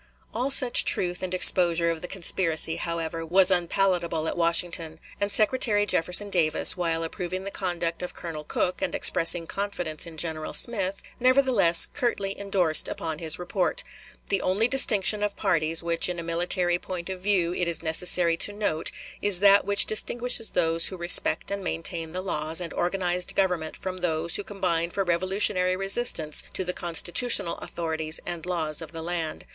" All such truth and exposure of the conspiracy, however, was unpalatable at Washington; and Secretary Jefferson Davis, while approving the conduct of Colonel Cooke and expressing confidence in General Smith, nevertheless curtly indorsed upon his report: "The only distinction of parties which in a military point of view it is necessary to note is that which distinguishes those who respect and maintain the laws and organized government from those who combine for revolutionary resistance to the constitutional authorities and laws of the land.